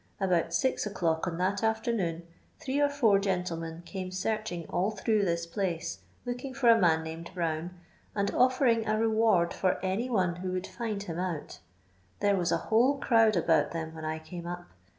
About 8 o'clock on that afternoon, three or four gentle Ben came searehing all through this place, looking fcr a man niamed Brown, and offering a reward to any who would find him out ; tbere was a whole crowd about them when I came up.